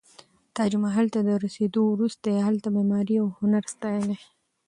تاج محل ته رسېدو وروسته یې معماري او هنر ستایلی.